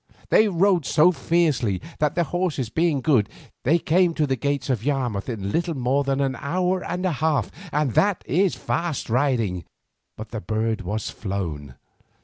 They rode so fiercely that, their horses being good, they came to the gates of Yarmouth in little more than an hour and a half, and that is fast riding. But the bird was flown.